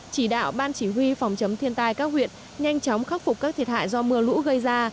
chỉ đạo ban chỉ huy phòng chống thiên tai các huyện nhanh chóng khắc phục các thiệt hại do mưa lũ gây ra